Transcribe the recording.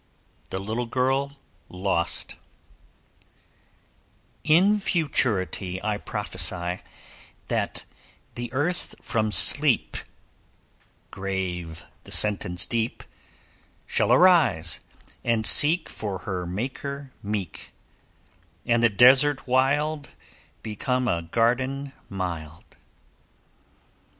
THE LITTLE GIRL LOST In futurity I prophesy That the earth from sleep (Grave the sentence deep) Shall arise, and seek For her Maker meek; And the desert wild Become a garden mild.